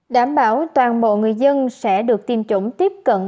đảm bảo toàn bộ người dân sẽ được tiêm chủng tiếp cận